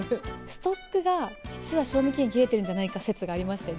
ストックが、実は賞味期限切れてるんじゃないか説がありまして。